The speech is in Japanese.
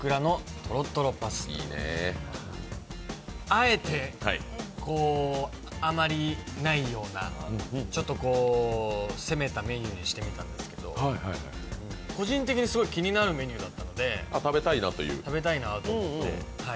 あえて、あまりないような、ちょっと、攻めたメニューにしてみたんですけど個人的にすごく気になるメニューだったので、食べたいなと思って。